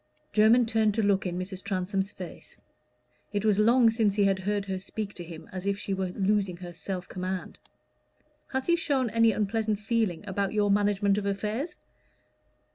Jermyn turned to look in Mrs. Transome's face: it was long since he had heard her speak to him as if she were losing her self command. "Has he shown any unpleasant feeling about your management of affairs?"